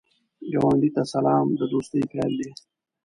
ګاونډي ته سلام، د دوستۍ پیل دی